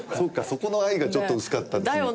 そこの愛がちょっと薄かったっていう。